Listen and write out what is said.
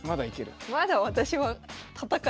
まだ私も戦える。